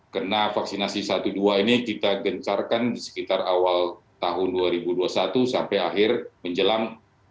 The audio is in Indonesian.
karena vaksinasi satu dua ini kita gencarkan di sekitar awal tahun dua ribu dua puluh satu sampai akhir menjelang dua ribu dua puluh dua